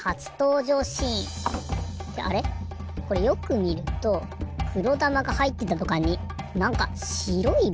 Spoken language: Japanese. これよくみるとくろだまがはいってたどかんになんかしろいぼうくっついてますね。